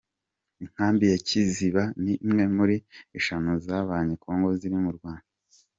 Inkambi ya Kiziba ni imwe muri eshanu z’Abanye- Congo ziri mu Rwanda.